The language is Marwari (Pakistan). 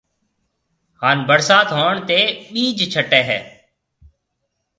ھان ڀرسات ھوڻ تيَ ٻِج ڇٽَي ھيَََ